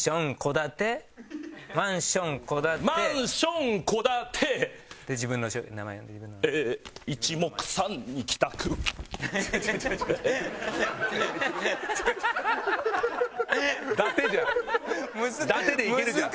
「建て」でいけるじゃん。